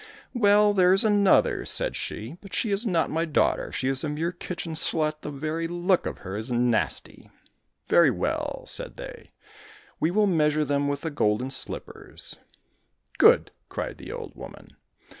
—" Well, there is another," said she, " but she is not my daughter, she is a mere kitchen slut, the very look of her is nasty." —" Very well," said they, " we will measure them with the golden slippers." —" Good !" cried the old woman.